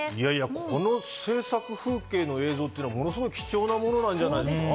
この制作風景の映像、ものすごい貴重なものなんじゃないですか。